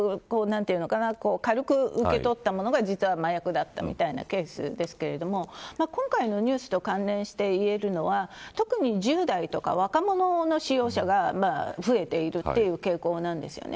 軽く受け取ったものが実は麻薬だったみたいなケースですけれども今回のニュースと関連して言えるのは特に１０代とか若者の使用者が増えているという傾向なんですよね。